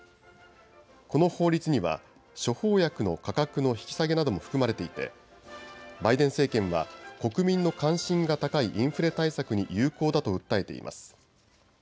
この法律には処方薬の価格の引き下げなども含まれていてバイデン政権は国民の関心が高いインフレ対策に有効だと訴えています。